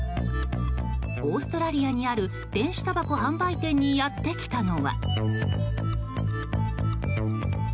オーストラリアにある電子たばこ販売店にやってきたのは。